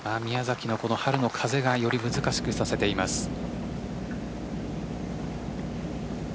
宮崎の春の風がより難しくさせています。